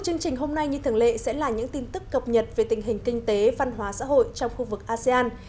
chương trình hôm nay như thường lệ sẽ là những tin tức cập nhật về tình hình kinh tế văn hóa xã hội trong khu vực asean